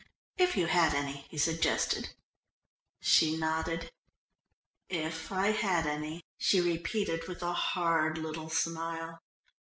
"If you had any," he suggested. She nodded. "If I had any," she repeated with a hard little smile.